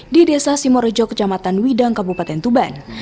di desa simorejo kecamatan widang kabupaten tuban